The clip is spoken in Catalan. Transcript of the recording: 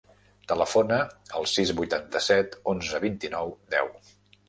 Telefona al sis, vuitanta-set, onze, vint-i-nou, deu.